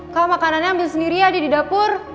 kak makanannya ambil sendiri ya di dapur